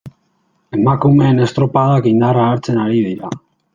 Emakumeen estropadak indarra hartzen ari dira.